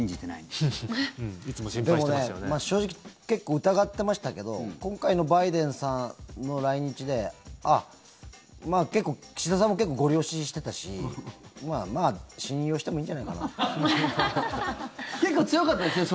でもね、正直結構、疑ってましたけど今回のバイデンさんの来日で岸田さんも結構ごり押ししてたしまあ信用してもいいんじゃないかな。結構強かったですよ。